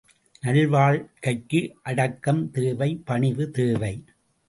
நல்வாழ்க்கைக்கு அடக்கம் தேவை, பணிவு தேவை.